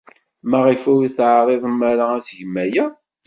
Maɣef ur teɛriḍem ara ad tgem aya?